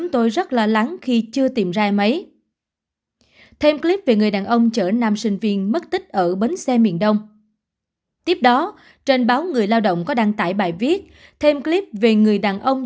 trước đó trên báo người lao động có đăng tải bài viết thêm clip về người đàn ông